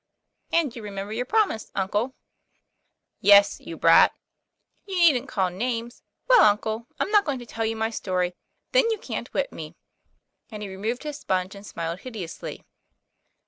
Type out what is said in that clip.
" And you remember your promise, uncle ?" "Yes, you brat!" "You needn't call names. Well, uncle, I'm not going to tell you my story; then you can't whip me." And he removed his sponge and smiled hideously.